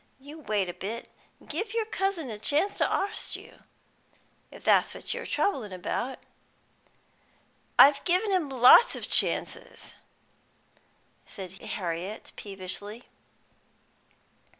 You wait a bit, an' give yer cousin a chance to arst you, if that's what you're troublin' about." "I've given him lots o' chances," said Harriet peevishly.